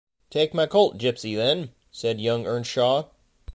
‘Take my colt, Gipsy, then!’ said young Earnshaw.